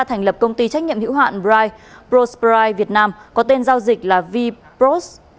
thành lập công ty trách nhiệm hữu hạn bride brose bride việt nam có tên giao dịch là v brose